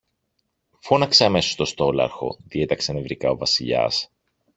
Φώναξε αμέσως το στόλαρχο, διέταξε νευρικά ο Βασιλιάς.